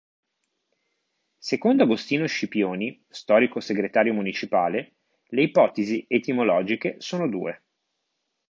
Secondo Agostino Scipioni, storico segretario municipale, le ipotesi etimologiche sono due.